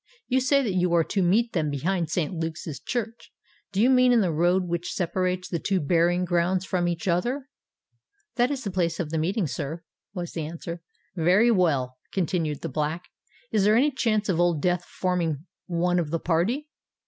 You say that you are to meet them behind St. Luke's church. Do you mean in the road which separates the two burying grounds from each other?" "That is the place of meeting, sir," was the answer. "Very well," continued the Black. "Is there any chance of Old Death forming one of the party?"